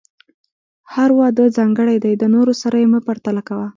هر واده ځانګړی دی، د نورو سره یې مه پرتله کوه.